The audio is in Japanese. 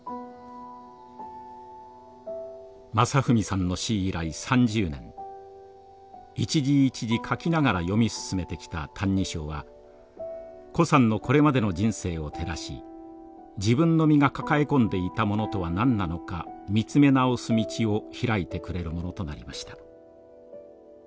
真史さんの死以来３０年一字一字書きながら読み進めてきた「歎異抄」は高さんのこれまでの人生を照らし自分の身が抱え込んでいたものとは何なのか見つめ直す道を開いてくれるものとなりました。